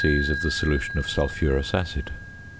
of the solution of sulphurous acid.